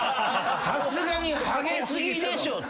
「さすがにハゲすぎでしょ」ってさ。